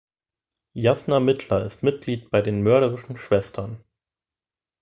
Jasna Mittler ist Mitglied bei den Mörderischen Schwestern.